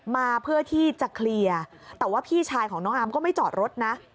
มาเพื่อที่จะเคลียร์แต่ว่าพี่ชายของน้องอาร์มก็ไม่จอดรถนะ